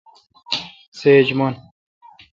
سیج من۔